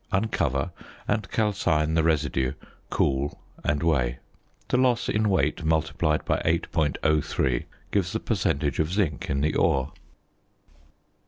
Uncover and calcine the residue, cool and weigh. The loss in weight multiplied by 8.03 gives the percentage of zinc in the ore.